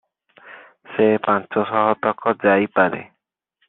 ସେ ପାଞ୍ଚଶହ ତକ ଯାଇ ପାରେ ।"